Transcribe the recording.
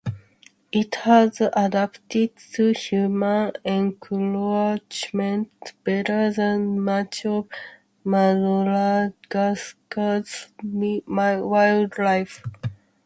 It has adapted to human encroachment better than much of Madagascar's wildlife.